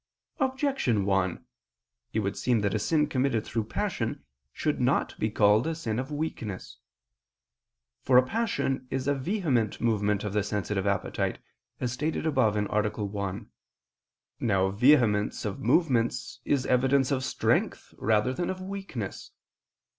Objection 1: It would seem that a sin committed through passion should not be called a sin of weakness. For a passion is a vehement movement of the sensitive appetite, as stated above (A. 1). Now vehemence of movements is evidence of strength rather than of weakness.